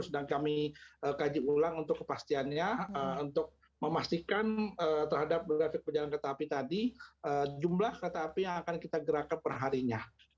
sedang kami kaji ulang untuk kepastiannya untuk memastikan terhadap grafik perjalanan kereta api tadi jumlah kereta api yang akan kita gerakan perharinya